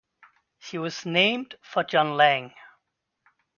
She was named for John Lang.